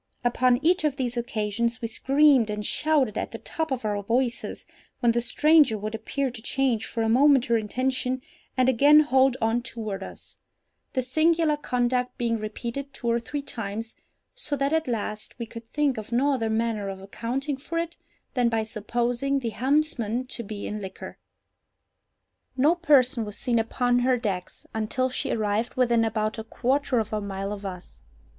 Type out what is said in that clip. Upon each of these occasions we screamed and shouted at the top of our voices, when the stranger would appear to change for a moment her intention, and again hold on toward us—this singular conduct being repeated two or three times, so that at last we could think of no other manner of accounting for it than by supposing the helmsman to be in liquor. No person was seen upon her decks until she arrived within about a quarter of a mile of us.